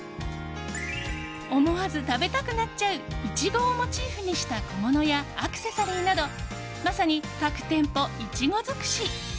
思わず食べたくなっちゃうイチゴをモチーフにした小物やアクセサリーなどまさに各店舗、イチゴ尽くし！